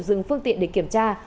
dừng phương tiện để kiểm tra